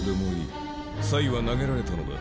賽は投げられたのだ。